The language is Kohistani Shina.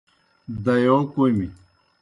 دائیو کوْمیْ۔